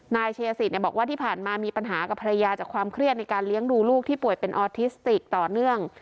นายชัยสิทธิ์บอกว่าที่ผ่านมามีปัญหากับภรรยาจากความเครียดในการเลี้ยงดูลูกที่ป่วยเป็นออทิสติกต่อเนื่อง